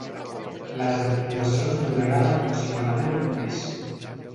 Les actuacions duraran aproximadament un mes.